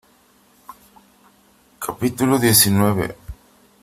capítulo diecinueve .